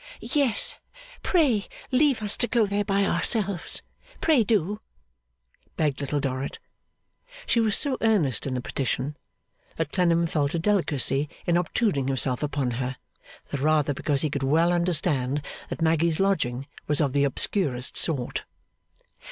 'Yes, pray leave us to go there by ourselves. Pray do!' begged Little Dorrit. She was so earnest in the petition, that Clennam felt a delicacy in obtruding himself upon her: the rather, because he could well understand that Maggy's lodging was of the obscurest sort.